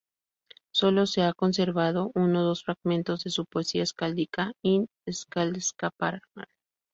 Solo se ha conservado uno dos fragmentos de su poesía escáldica, in "Skáldskaparmál".